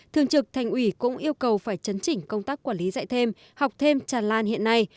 thường trực thành ủy cũng yêu cầu phải chấn chỉnh công tác quản lý dạy thêm học thêm tràn lan hiện nay